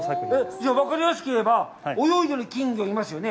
じゃあ、分かりやすく言えば、泳いでいる金魚がいますよね？